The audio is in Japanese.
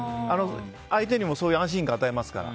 相手にもそういう安心感を与えますから。